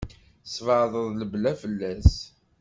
Tesbeɛdeḍ lebla fell-as.